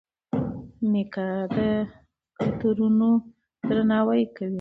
میکا د کلتورونو درناوی کوي.